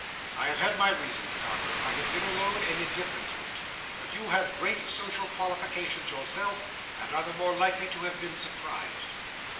"I have had my reasons, Carker. I have been alone, and indifferent to it. But you have great social qualifications yourself, and are the more likely to have been surprised."